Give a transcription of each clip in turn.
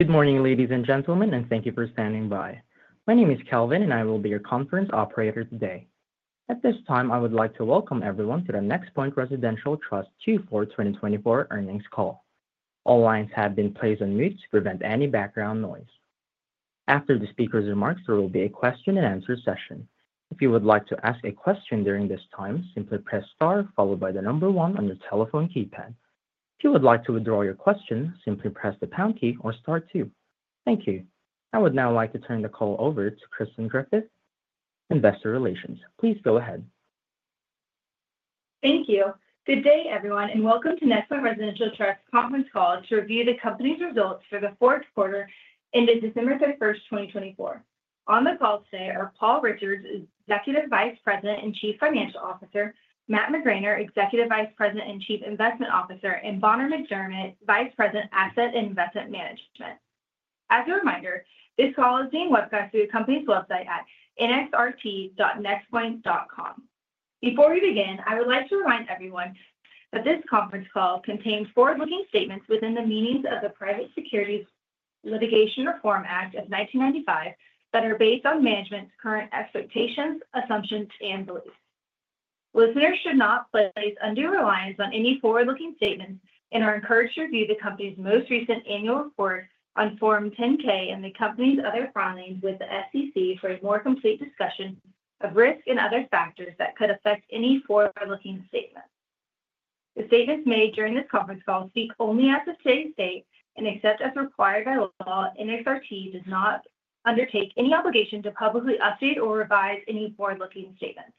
Good morning, ladies and gentlemen, and thank you for standing by. My name is Calvin, and I will be your conference operator today. At this time, I would like to welcome everyone to the NexPoint Residential Trust Q4 2024 Earnings Call. All lines have been placed on mute to prevent any background noise. After the speaker's remarks, there will be a question-and-answer session. If you would like to ask a question during this time, simply press star followed by the number one on your telephone keypad. If you would like to withdraw your question, simply press the pound key or star two. Thank you. I would now like to turn the call over to Kristen Griffith, Investor Relations. Please go ahead. Thank you. Good day, everyone, and welcome to NexPoint Residential Trust's conference call to review the company's results for the fourth quarter ended December 31, 2024. On the call today are Paul Richards, Executive Vice President and Chief Financial Officer; Matt McGraner, Executive Vice President and Chief Investment Officer; and Bonner McDermett, Vice President, Asset and Investment Management. As a reminder, this call is being webcast through the company's website at nxrt.nexpoint.com. Before we begin, I would like to remind everyone that this conference call contains forward-looking statements within the meanings of the Private Securities Litigation Reform Act of 1995 that are based on management's current expectations, assumptions, and beliefs. Listeners should not place undue reliance on any forward-looking statements and are encouraged to review the company's most recent annual report on Form 10-K and the company's other filings with the SEC for a more complete discussion of risk and other factors that could affect any forward-looking statements. The statements made during this conference call speak only as of today's date and, except as required by law, NXRT does not undertake any obligation to publicly update or revise any forward-looking statements.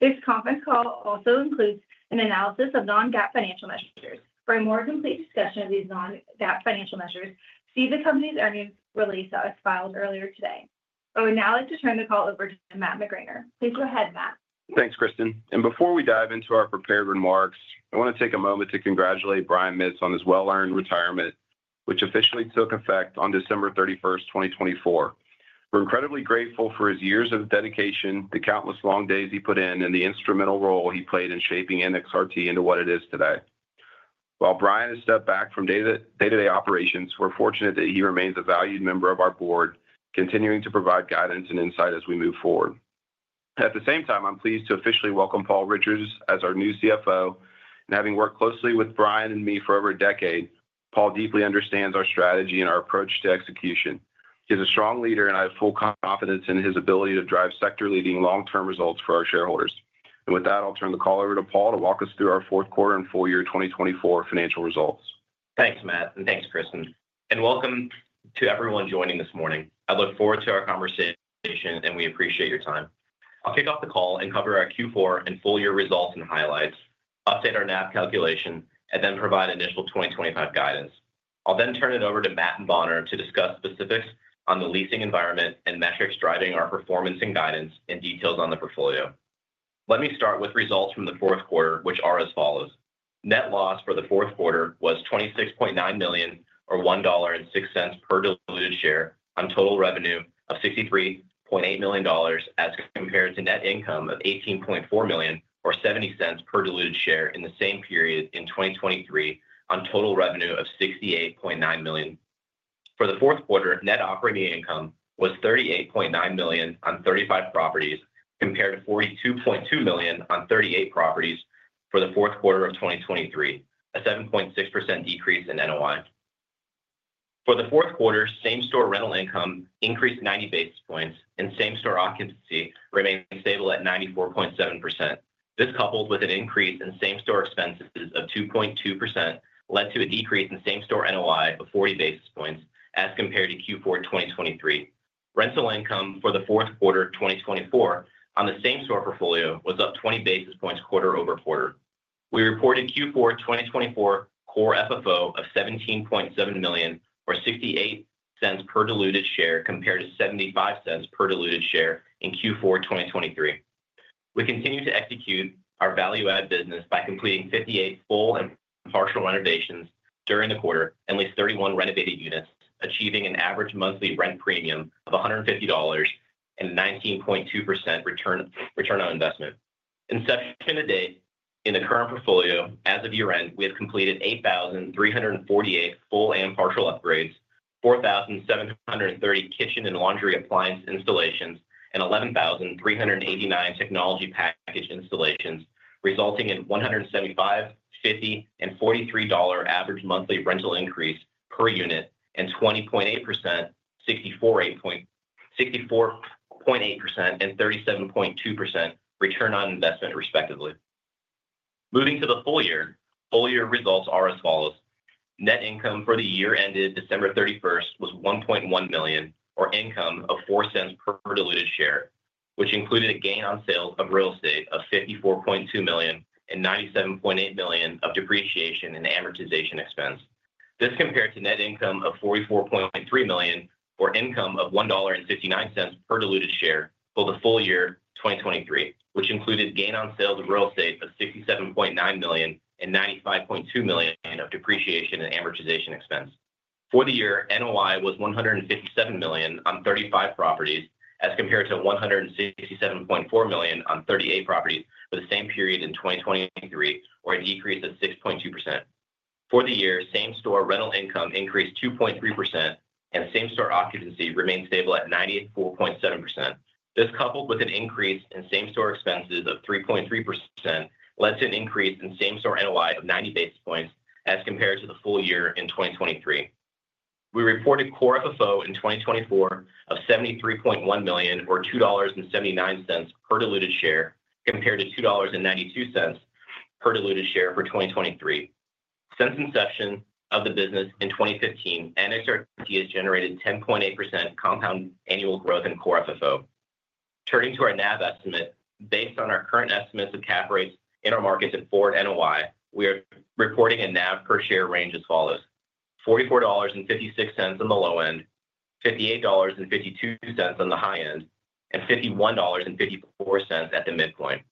This conference call also includes an analysis of non-GAAP financial measures. For a more complete discussion of these non-GAAP financial measures, see the company's earnings release that was filed earlier today. I would now like to turn the call over to Matt McGraner. Please go ahead, Matt. Thanks, Kristen. And before we dive into our prepared remarks, I want to take a moment to congratulate Brian Mitts on his well-earned retirement, which officially took effect on December 31st, 2024. We're incredibly grateful for his years of dedication, the countless long days he put in, and the instrumental role he played in shaping NXRT into what it is today. While Brian has stepped back from day-to-day operations, we're fortunate that he remains a valued member of our board, continuing to provide guidance and insight as we move forward. At the same time, I'm pleased to officially welcome Paul Richards as our new CFO, and having worked closely with Brian and me for over a decade, Paul deeply understands our strategy and our approach to execution. He is a strong leader, and I have full confidence in his ability to drive sector-leading long-term results for our shareholders. With that, I'll turn the call over to Paul to walk us through our fourth quarter and full year 2024 financial results. Thanks, Matt, and thanks, Kristen, and welcome to everyone joining this morning. I look forward to our conversation, and we appreciate your time. I'll kick off the call and cover our Q4 and full year results and highlights, update our NAV calculation, and then provide initial 2025 guidance. I'll then turn it over to Matt and Bonner to discuss specifics on the leasing environment and metrics driving our performance and guidance and details on the portfolio. Let me start with results from the fourth quarter, which are as follows. Net loss for the fourth quarter was $26.9 million, or $1.06 per diluted share, on total revenue of $63.8 million, as compared to net income of $18.4 million, or $0.70 per diluted share in the same period in 2023, on total revenue of $68.9 million. For the fourth quarter, net operating income was $38.9 million on 35 properties, compared to $42.2 million on 38 properties for the fourth quarter of 2023, a 7.6% decrease in NOI. For the fourth quarter, same-store rental income increased 90 basis points, and same-store occupancy remained stable at 94.7%. This, coupled with an increase in same-store expenses of 2.2%, led to a decrease in same-store NOI of 40 basis points as compared to Q4 2023. Rental income for the fourth quarter of 2024 on the same-store portfolio was up 20 basis points quarter-over-quarter. We reported Q4 2024 core FFO of $17.7 million, or $0.68 per diluted share, compared to $0.75 per diluted share in Q4 2023. We continued to execute our value-add business by completing 58 full and partial renovations during the quarter and leased 31 renovated units, achieving an average monthly rent premium of $150 and a 19.2% return on investment. Inception to date, in the current portfolio, as of year-end, we have completed 8,348 full and partial upgrades, 4,730 kitchen and laundry appliance installations, and 11,389 technology package installations, resulting in $175.50 and $43.00 average monthly rental increase per unit and 20.8%, 64.8%, and 37.2% return on investment, respectively. Moving to the full year, full year results are as follows. Net income for the year ended December 31st was $1.1 million, or income of $0.04 per diluted share, which included a gain on sales of real estate of $54.2 million and $97.8 million of depreciation and amortization expense. This compared to net income of $44.3 million or income of $1.59 per diluted share for the full year 2023, which included gain on sales of real estate of $67.9 million and $95.2 million of depreciation and amortization expense. For the year, NOI was $157 million on 35 properties as compared to $167.4 million on 38 properties for the same period in 2023, or a decrease of 6.2%. For the year, same-store rental income increased 2.3%, and same-store occupancy remained stable at 94.7%. This, coupled with an increase in same-store expenses of 3.3%, led to an increase in same-store NOI of 90 basis points as compared to the full year in 2023. We reported core FFO in 2024 of $73.1 million, or $2.79 per diluted share, compared to $2.92 per diluted share for 2023. Since inception of the business in 2015, NXRT has generated 10.8% compound annual growth in Core FFO. Turning to our NAV estimate, based on our current estimates of cap rates in our markets at forward NOI, we are reporting a NAV per share range as follows: $44.56 on the low end, $58.52 on the high end, and $51.54 at the midpoint.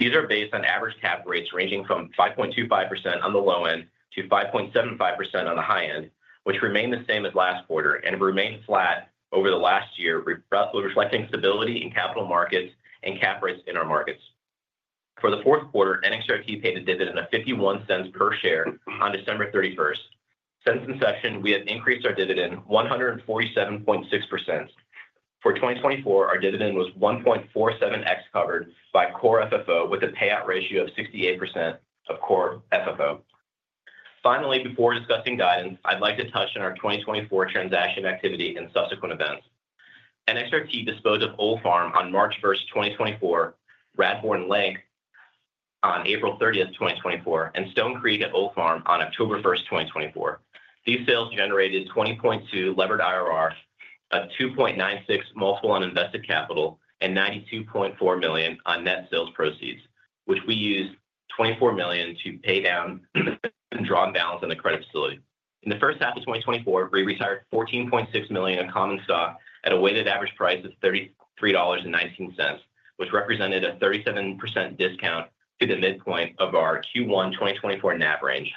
These are based on average cap rates ranging from 5.25%-5.75%, which remain the same as last quarter and have remained flat over the last year, roughly reflecting stability in capital markets and cap rates in our markets. For the fourth quarter, NXRT paid a dividend of $0.51 per share on December 31st. Since inception, we have increased our dividend 147.6%. For 2024, our dividend was 1.47x covered by Core FFO, with a payout ratio of 68% of Core FFO. Finally, before discussing guidance, I'd like to touch on our 2024 transaction activity and subsequent events. NXRT disposed of Old Farm on March 1st, 2024, Radbourne Lake on April 30, 2024, and Stone Creek at Old Farm on October 1st, 2024. These sales generated 20.2 levered IRR, a 2.96 multiple on invested capital, and $92.4 million in net sales proceeds, which we used $24 million to pay down and draw on balance on the credit facility. In the first half of 2024, we retired $14.6 million of common stock at a weighted average price of $33.19, which represented a 37% discount to the midpoint of our Q1 2024 NAV range.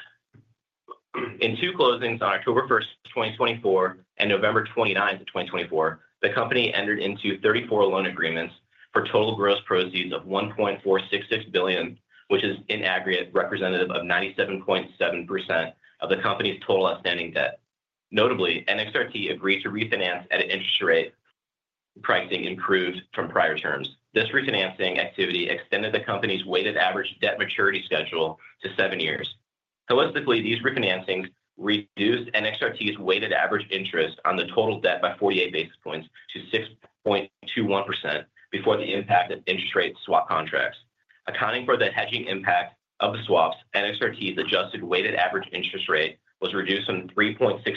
In two closings on October 1st, 2024, and November 29th, 2024, the company entered into 34 loan agreements for total gross proceeds of $1.466 billion, which is in aggregate representative of 97.7% of the company's total outstanding debt. Notably, NXRT agreed to refinance at an interest rate pricing improved from prior terms. This refinancing activity extended the company's weighted average debt maturity schedule to seven years. Holistically, these refinancings reduced NXRT's weighted average interest on the total debt by 48 basis points to 6.21% before the impact of interest rate swap contracts. Accounting for the hedging impact of the swaps, NXRT's adjusted weighted average interest rate was reduced from 3.64%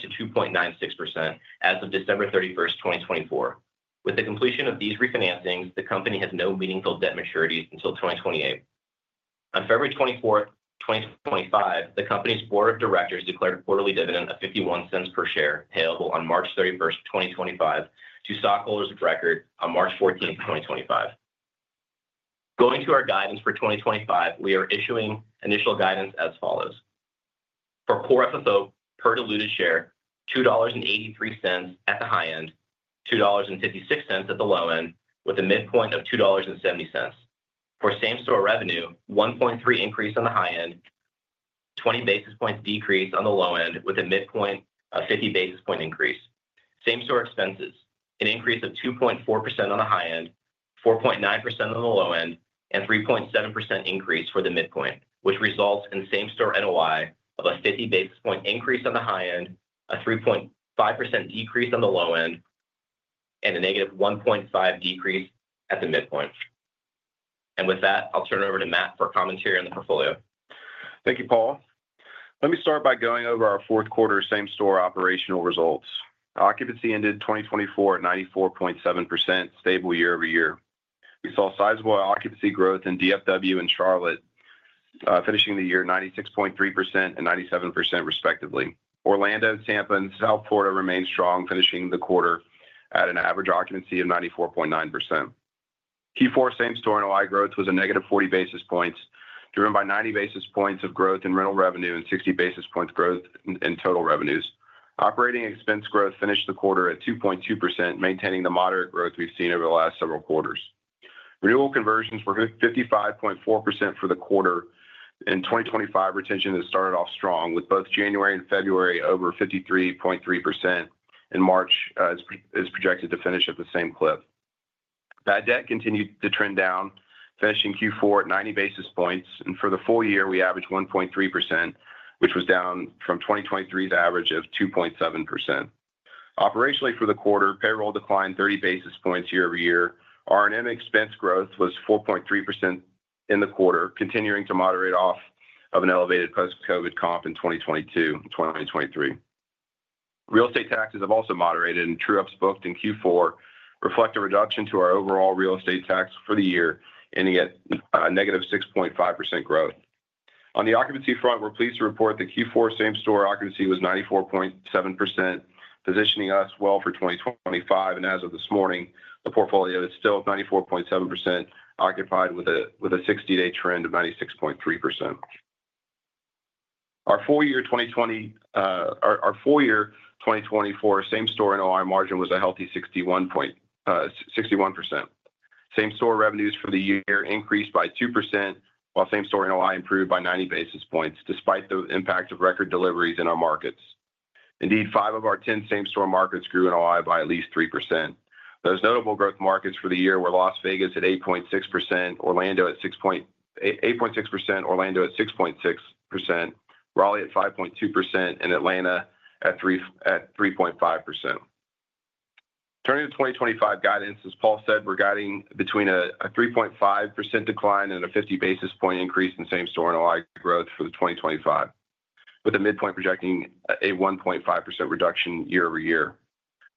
to 2.96% as of December 31st, 2024. With the completion of these refinancings, the company has no meaningful debt maturities until 2028. On February 24, 2025, the company's board of directors declared a quarterly dividend of $0.51 per share payable on March 31st, 2025, to stockholders of record on March 14, 2025. Going to our guidance for 2025, we are issuing initial guidance as follows. For Core FFO per diluted share, $2.83 at the high end, $2.56 at the low end, with a midpoint of $2.70. For same-store revenue, 1.3% increase on the high end, 20 basis points decrease on the low end, with a midpoint of 50 basis points increase. Same-store expenses, an increase of 2.4% on the high end, 4.9% on the low end, and 3.7% increase for the midpoint, which results in same-store NOI of a 50 basis point increase on the high end, a 3.5% decrease on the low end, and a negative 1.5% decrease at the midpoint. And with that, I'll turn it over to Matt for commentary on the portfolio. Thank you, Paul. Let me start by going over our fourth quarter same-store operational results. Occupancy ended 2024 at 94.7%, stable year-over-year. We saw sizable occupancy growth in DFW and Charlotte, finishing the year 96.3% and 97%, respectively. Orlando, Tampa, and South Florida remained strong, finishing the quarter at an average occupancy of 94.9%. Q4 same-store NOI growth was a negative 40 basis points, driven by 90 basis points of growth in rental revenue and 60 basis points growth in total revenues. Operating expense growth finished the quarter at 2.2%, maintaining the moderate growth we've seen over the last several quarters. Renewal conversions were 55.4% for the quarter. In 2025, retention has started off strong, with both January and February over 53.3%, and March is projected to finish at the same cliff. Bad debt continued to trend down, finishing Q4 at 90 basis points. And for the full year, we averaged 1.3%, which was down from 2023's average of 2.7%. Operationally, for the quarter, payroll declined 30 basis points year-over-year. R&M expense growth was 4.3% in the quarter, continuing to moderate off of an elevated post-COVID comp in 2022 and 2023. Real estate taxes have also moderated, and true-ups booked in Q4 reflect a reduction to our overall real estate tax for the year, ending at a negative 6.5% growth. On the occupancy front, we're pleased to report that Q4 same-store occupancy was 94.7%, positioning us well for 2025. And as of this morning, the portfolio is still at 94.7%, occupied with a 60-day trend of 96.3%. Our full year 2024 same-store NOI margin was a healthy 61%. Same-store revenues for the year increased by 2%, while same-store NOI improved by 90 basis points, despite the impact of record deliveries in our markets. Indeed, five of our 10 same-store markets grew NOI by at least 3%. Those notable growth markets for the year were Las Vegas at 8.6%, Orlando at 8.6%, Orlando at 6.6%, Raleigh at 5.2%, and Atlanta at 3.5%. Turning to 2025 guidance, as Paul said, we're guiding between a 3.5% decline and a 50 basis point increase in same-store NOI growth for 2025, with a midpoint projecting a 1.5% reduction year-over-year.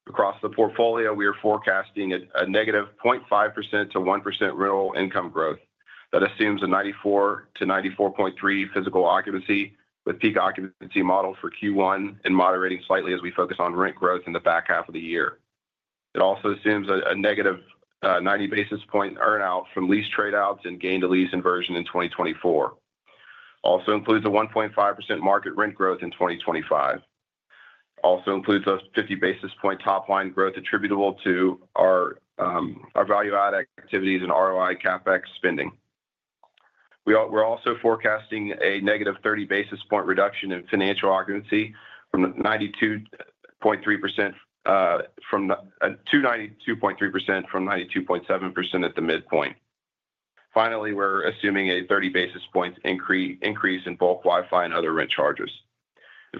Across the portfolio, we are forecasting a negative 0.5% to 1% rental income growth that assumes a 94% to 94.3% physical occupancy, with peak occupancy model for Q1 and moderating slightly as we focus on rent growth in the back half of the year. It also assumes a negative 90 basis point earnout from lease trade-outs and gain-to-lease inversion in 2024. Also includes a 1.5% market rent growth in 2025. Also includes a 50 basis point top-line growth attributable to our value-add activities and ROI CapEx spending. We're also forecasting a negative 30 basis point reduction in financial occupancy from 92.3% to 92.7% at the midpoint. Finally, we're assuming a 30 basis point increase in bulk Wi-Fi and other rent charges.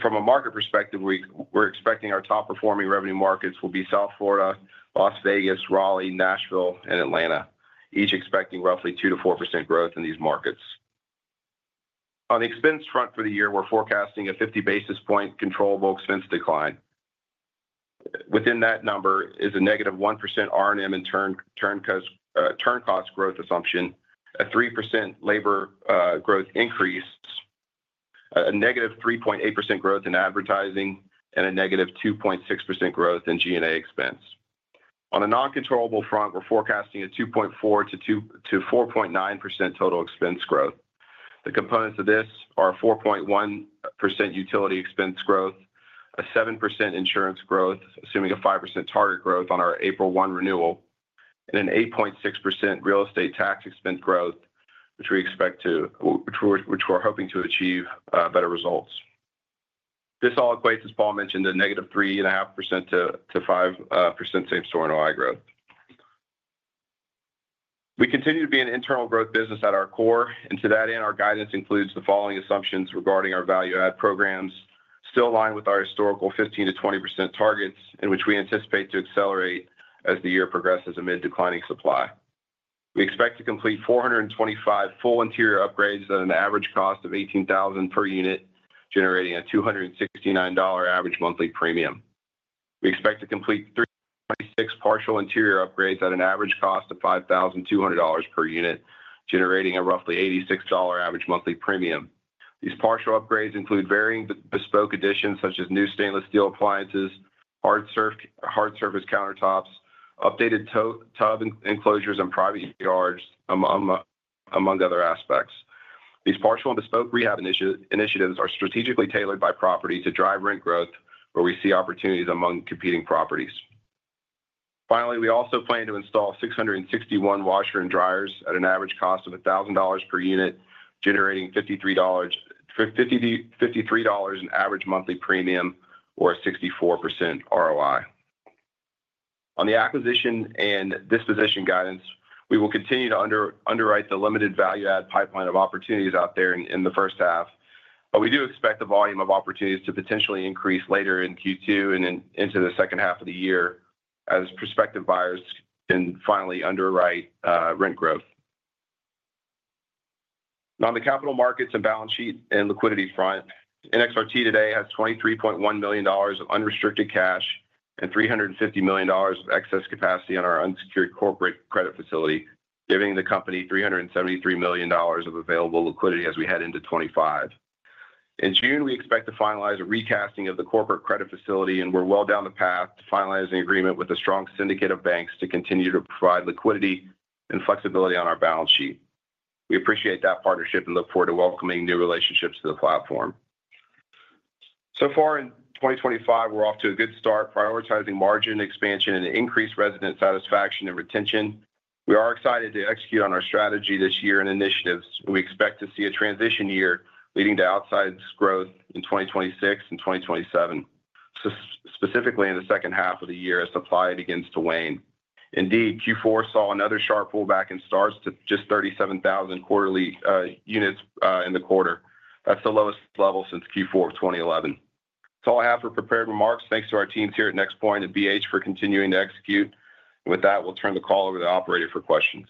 From a market perspective, we're expecting our top-performing revenue markets will be South Florida, Las Vegas, Raleigh, Nashville, and Atlanta, each expecting roughly 2% to 4% growth in these markets. On the expense front for the year, we're forecasting a 50 basis point controllable expense decline. Within that number is a negative 1% R&M and turn cost growth assumption, a 3% labor growth increase, a negative 3.8% growth in advertising, and a negative 2.6% growth in G&A expense. On the non-controllable front, we're forecasting a 2.4% to 4.9% total expense growth. The components of this are a 4.1% utility expense growth, a 7% insurance growth, assuming a 5% target growth on our April 1 renewal, and an 8.6% real estate tax expense growth, which we're hoping to achieve better results. This all equates, as Paul mentioned, to a -3.5% to -5% same-store NOI growth. We continue to be an internal growth business at our core, and to that end, our guidance includes the following assumptions regarding our value-add programs, still aligned with our historical 15%-20% targets, in which we anticipate to accelerate as the year progresses amid declining supply. We expect to complete 425 full interior upgrades at an average cost of $18,000 per unit, generating a $269 average monthly premium. We expect to complete 36 partial interior upgrades at an average cost of $5,200 per unit, generating a roughly $86 average monthly premium. These partial upgrades include varying bespoke additions such as new stainless steel appliances, hard surface countertops, updated tub enclosures, and private yards, among other aspects. These partial and bespoke rehab initiatives are strategically tailored by property to drive rent growth, where we see opportunities among competing properties. Finally, we also plan to install 661 washers and dryers at an average cost of $1,000 per unit, generating $53.00 in an average monthly premium or a 64% ROI. On the acquisition and disposition guidance, we will continue to underwrite the limited value-add pipeline of opportunities out there in the first half, but we do expect the volume of opportunities to potentially increase later in Q2 and into the second half of the year as prospective buyers can finally underwrite rent growth. On the capital markets and balance sheet and liquidity front, NXRT today has $23.1 million of unrestricted cash and $350 million of excess capacity on our unsecured corporate credit facility, giving the company $373 million of available liquidity as we head into 2025. In June, we expect to finalize a recasting of the corporate credit facility, and we're well down the path to finalizing an agreement with a strong syndicate of banks to continue to provide liquidity and flexibility on our balance sheet. We appreciate that partnership and look forward to welcoming new relationships to the platform. So far in 2025, we're off to a good start, prioritizing margin expansion and increased resident satisfaction and retention. We are excited to execute on our strategy this year and initiatives, and we expect to see a transition year leading to outsized growth in 2026 and 2027, specifically in the second half of the year as supply begins to wane. Indeed, Q4 saw another sharp pullback and starts to just 37,000 quarterly units in the quarter. That's the lowest level since Q4 of 2011. That's all I have for prepared remarks. Thanks to our teams here at NexPoint and BH for continuing to execute. With that, we'll turn the call over to the operator for questions.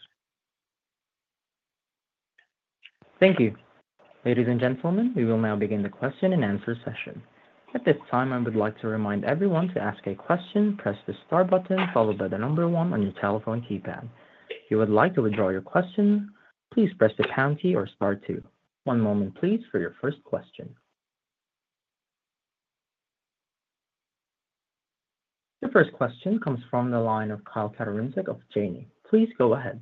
Thank you. Ladies and gentlemen, we will now begin the question and answer session. At this time, I would like to remind everyone to ask a question, press the star button followed by the number one on your telephone keypad. If you would like to withdraw your question, please press the pound key or star two. One moment, please, for your first question. The first question comes from the line of Kyle Katorincek of Janney. Please go ahead.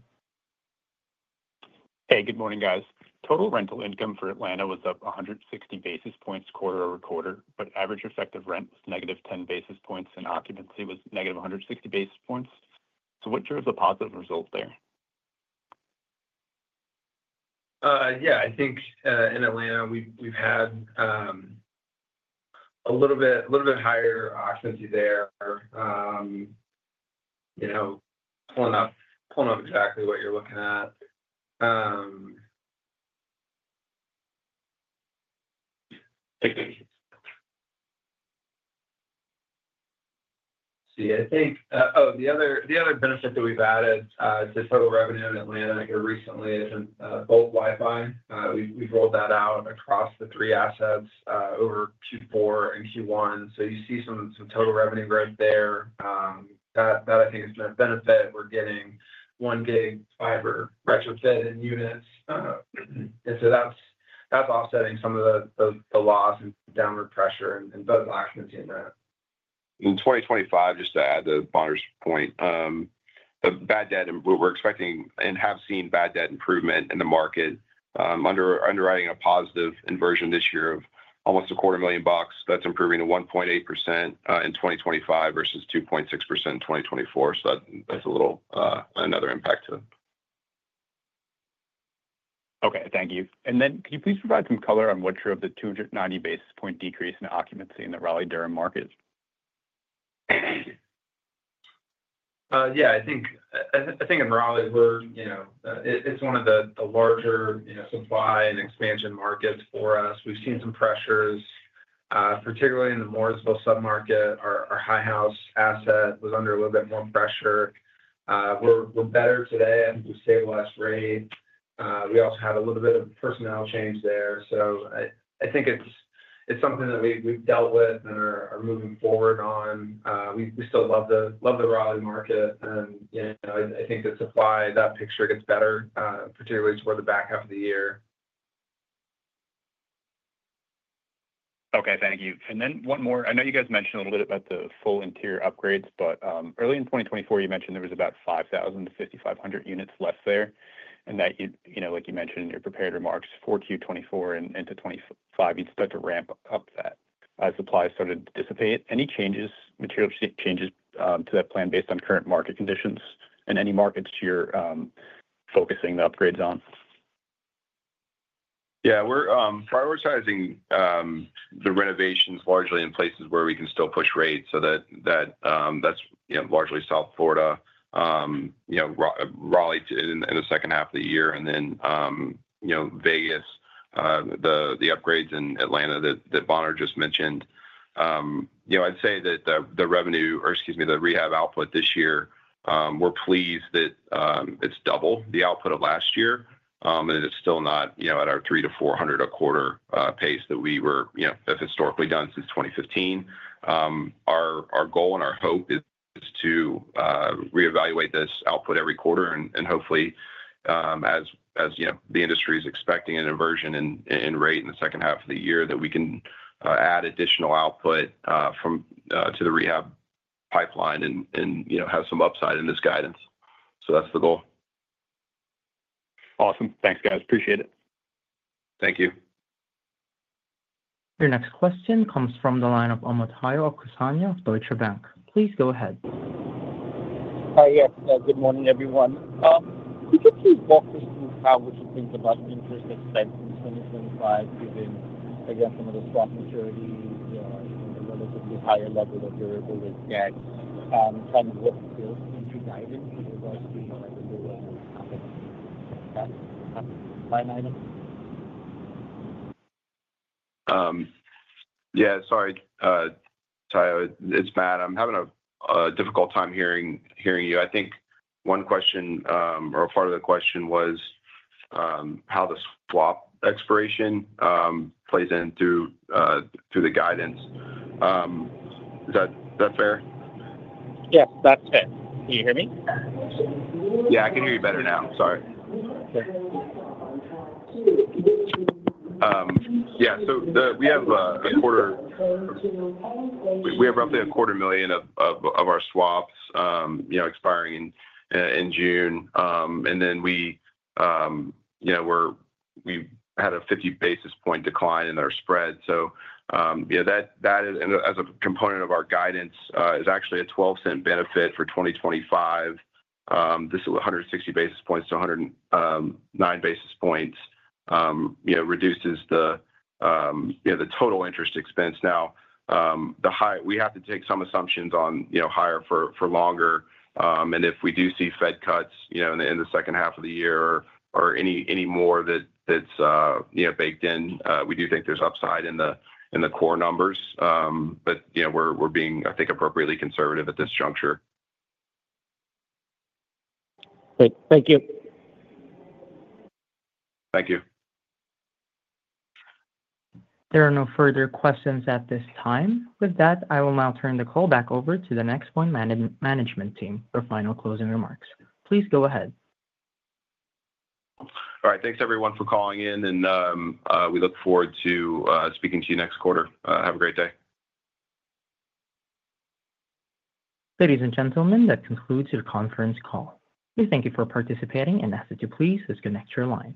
Hey, good morning, guys. Total rental income for Atlanta was up 160 basis points quarter-over-quarter, but average effective rent was negative 10 basis points and occupancy was negative 160 basis points. So what drove the positive result there? Yeah, I think in Atlanta, we've had a little bit higher occupancy there. Pulling up exactly what you're looking at. See, I think, oh, the other benefit that we've added to total revenue in Atlanta here recently is Bulk Wi-Fi. We've rolled that out across the three assets over Q4 and Q1. So you see some total revenue growth there. That, I think, is a benefit. We're getting One Gig Fiber retrofit in units. And so that's offsetting some of the loss and downward pressure and both occupancy and rent. In 2025, just to add to Bonner's point, the bad debt and what we're expecting and have seen bad debt improvement in the market, underwriting a positive inversion this year of almost $250,000. That's improving to 1.8% in 2025 versus 2.6% in 2024. So that's a little another impact too. Okay, thank you. And then can you please provide some color on what drove the 290 basis points decrease in occupancy in the Raleigh-Durham market? Yeah, I think in Raleigh, it's one of the larger supply and expansion markets for us. We've seen some pressures, particularly in the Morrisville submarket. Our High House asset was under a little bit more pressure. We're better today after we stabilized rate. We also had a little bit of personnel change there, so I think it's something that we've dealt with and are moving forward on. We still love the Raleigh market, and I think that supply, that picture gets better, particularly toward the back half of the year. Okay, thank you. And then one more. I know you guys mentioned a little bit about the full interior upgrades, but early in 2024, you mentioned there was about 5,000-5,500 units left there. And that, like you mentioned in your prepared remarks, for Q24 and into 2025, you'd start to ramp up that. Supply started to dissipate. Any changes, material changes to that plan based on current market conditions and any markets you're focusing the upgrades on? Yeah, we're prioritizing the renovations largely in places where we can still push rates so that that's largely South Florida, Raleigh in the second half of the year, and then Vegas, the upgrades in Atlanta that Bonner just mentioned. I'd say that the revenue, or excuse me, the rehab output this year, we're pleased that it's double the output of last year, and it's still not at our 300-400 a quarter pace that we were historically done since 2015. Our goal and our hope is to reevaluate this output every quarter and hopefully, as the industry is expecting an inversion in rate in the second half of the year, that we can add additional output to the rehab pipeline and have some upside in this guidance. So that's the goal. Awesome. Thanks, guys. Appreciate it. Thank you. Your next question comes from the line of Omotayo Okusanya, Deutsche Bank. Please go ahead. Hi, yes. Good morning, everyone. Could you please walk us through how would you think about interest expenses in 2025 given, again, some of the soft maturities, the relatively higher level that you're able to get, Yeah, sorry, Tayo. It's Matt. I'm having a difficult time hearing you. I think one question or a part of the question was how the swap expiration plays in through the guidance. Is that fair? Yes, that's fair. Can you hear me? Yeah, I can hear you better now. Sorry. Okay. Yeah, so we have roughly quarter of a million of our swaps expiring in June, and then we had a 50 basis point decline in our spread. So that, as a component of our guidance, is actually a $0.12 benefit for 2025. This is 160 basis points to 109 basis points, reduces the total interest expense. Now, we have to take some assumptions on higher for longer. And if we do see Fed cuts in the second half of the year or any more that's baked in, we do think there's upside in the core numbers. But we're being, I think, appropriately conservative at this juncture. Great. Thank you. Thank you. There are no further questions at this time. With that, I will now turn the call back over to the NexPoint management team for final closing remarks. Please go ahead. All right. Thanks, everyone, for calling in. And we look forward to speaking to you next quarter. Have a great day. Ladies and gentlemen, that concludes your conference call. We thank you for participating, and ask that you please disconnect your lines.